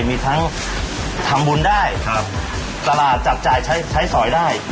มีทั้งทำบุญได้ตลาดจับจ่ายใช้ใช้สอยได้